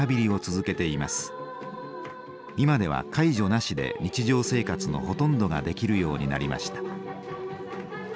今では介助なしで日常生活のほとんどができるようになりました。